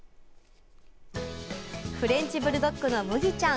フレンチブルドッグのむぎちゃん。